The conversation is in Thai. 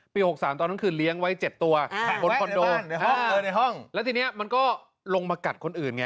๖๓ตอนนั้นคือเลี้ยงไว้๗ตัวบนคอนโดในห้องแล้วทีนี้มันก็ลงมากัดคนอื่นไง